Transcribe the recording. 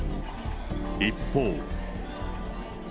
一方。